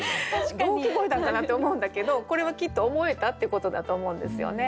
どう聞こえたんかなって思うんだけどこれはきっと思えたってことだと思うんですよね。